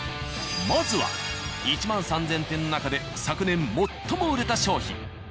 まずは１万３０００点の中で昨年最も売れた商品。